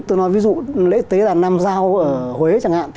tôi nói ví dụ lễ tế là nam giao ở huế chẳng hạn